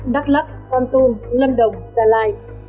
đắk lắk con tôn lâm đồng gia lai